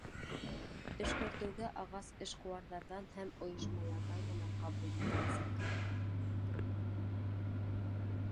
Эшкәртеүгә ағас эшҡыуарҙарҙан һәм ойошмаларҙан ғына ҡабул ителәсәк.